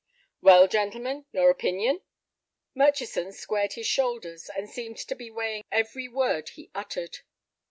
"Well, gentlemen, your opinion?" Murchison squared his shoulders, and seemed to be weighing every word he uttered.